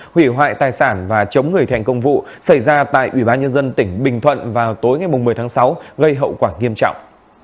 hủy hoại tài sản và chống người thành công vụ xảy ra tại ủy ban nhân dân tỉnh bình thuận vào tối ngày một mươi tháng sáu gây hậu quả nghiêm trọng